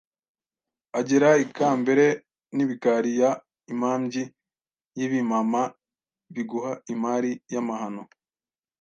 Agera ikambere n’ibikari ya imambyi y’ibimama b iguha imari y’amahano